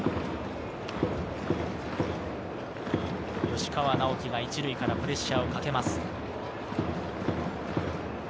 吉川尚輝が１塁からプレッシャーをかけます。